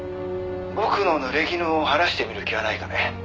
「僕のぬれぎぬを晴らしてみる気はないかね？」